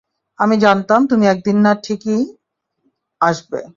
আমি জানতাম তুমি একদিন না ঠিকই আসবে।